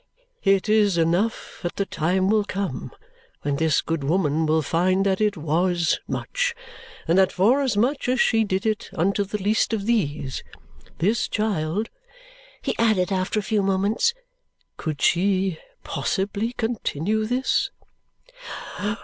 "It is enough that the time will come when this good woman will find that it WAS much, and that forasmuch as she did it unto the least of these This child," he added after a few moments, "could she possibly continue this?"